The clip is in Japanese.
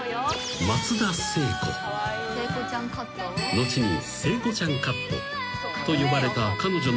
［後に聖子ちゃんカットと呼ばれた彼女の髪形は］